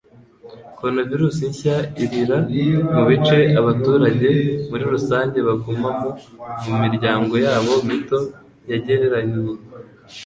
Coronavirus nshya irira mu bice abaturage muri rusange bagumamo mu miryango yabo mito, yegeranye.